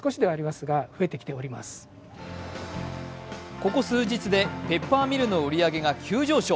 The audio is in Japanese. ここ数日でペッパーミルの売り上げが急上昇。